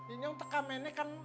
ini yang teka meneh kan